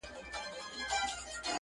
موږ یې د خپلو شخصي غرازیو